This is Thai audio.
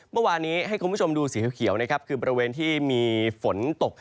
เมื่อวานนี้ให้คุณผู้ชมดูสีเขียวนะครับคือบริเวณที่มีฝนตก